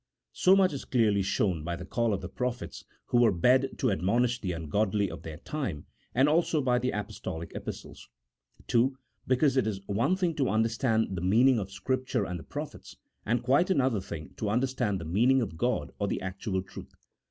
So much is clearly shown by the call of the prophets who were bade to admonish the ungodly of their time, and also by the Apostolic Epistles. II. Because it is one thing to understand the meaning of CHAP. XII.] OP THE SACREDNESS OF SCRIPTURE. 171 Scripture and the prophets, and quite another thing to un derstand the meaning of God, or the actual truth.